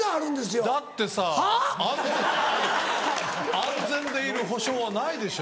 安全でいる保証はないでしょ。